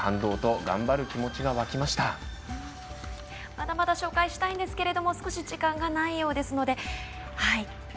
まだまだ紹介したいんですが少し時間がないようです。